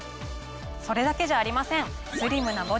それだけじゃありません！